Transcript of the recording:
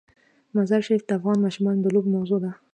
مزارشریف د افغان ماشومانو د لوبو موضوع ده.